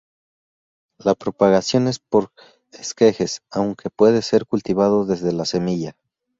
La propagación es por esquejes, aunque puede ser cultivado desde la semilla.